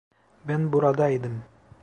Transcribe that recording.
Ben buradaydım.